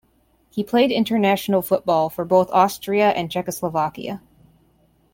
He played international football for both Austria and Czechoslovakia.